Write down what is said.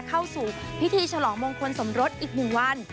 เข้าสู่พิธีฉลองมงคลสมรสอีก๑วัน